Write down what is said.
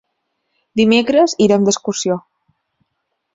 Dimecres irem d'excursió.